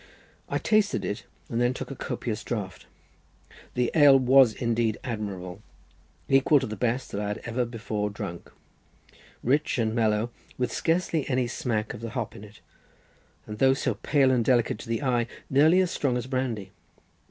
I tasted it, and then took a copious draught. The ale was indeed admirable, equal to the best that I had ever before drunk—rich and mellow, with scarcely any smack of the hop in it, and though so pale and delicate to the eye, nearly as strong as brandy.